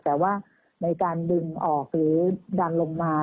แต่ว่าในการดึงออกหรือดันลงมา